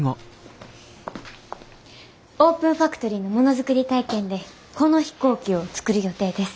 オープンファクトリーのものづくり体験でこの飛行機を作る予定です。